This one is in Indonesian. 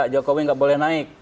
jokowi gak boleh naik